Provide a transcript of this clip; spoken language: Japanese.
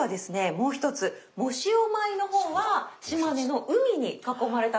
もう一つ藻塩米の方は島根の海に囲まれたところなので。